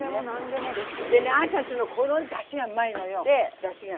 でねあちゃんちのこのだしがうまいのよだしが。